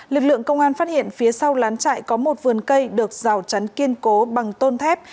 lực lượng công an phát hiện phía sau lán chạy có một vườn cây được rào chắn kiên cố bằng tôn thép